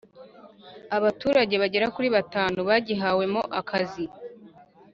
Abaturage bagera kuri batanu bagihawemo akazi